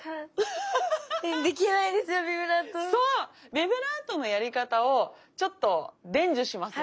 ビブラートのやり方をちょっと伝授しますわ。